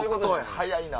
早いな。